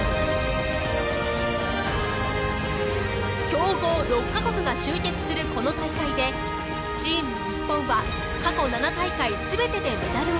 強豪６カ国が集結するこの大会でチーム日本は過去７大会全てでメダルを獲得。